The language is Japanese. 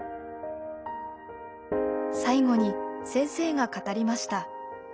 最後に先生が語りました。